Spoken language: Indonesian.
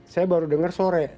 saya baru dengar sore